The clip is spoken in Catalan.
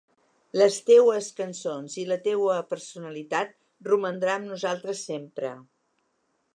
Les teues cançons i la teua personalitat romandrà amb nosaltres sempre!